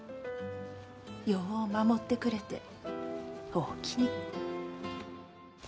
よう守ってくれておおきに。